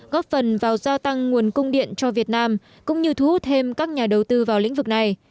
góp phần vào gia tăng nguồn cung điện cho việt nam cũng như thu hút thêm các nhà đầu tư vào lĩnh vực này